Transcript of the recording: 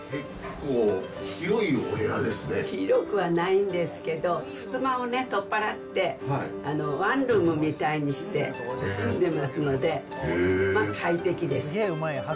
広くはないんですけど、ふすまをね、取っ払ってワンルームみたいにして住んでますので、快適です。